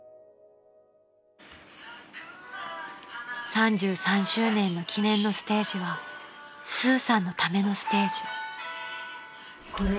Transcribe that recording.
［３３周年の記念のステージはスーさんのためのステージ］